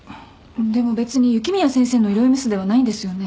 でも別に雪宮先生の医療ミスではないんですよね？